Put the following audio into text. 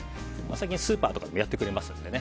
最近、スーパーとかでもやってくれますので。